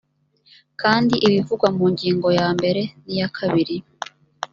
kandi ibivugwa mu ngingo ya mbere n’iya kabiri